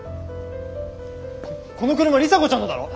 この車里紗子ちゃんのだろ？